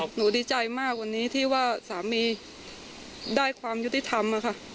หนูดีใจมากวันนี้ที่ว่าสามีได้ความยุติธรรมค่ะ